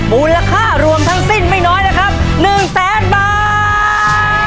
มูลค่ารวมทั้งสิ้นไม่น้อยนะครับ๑แสนบาท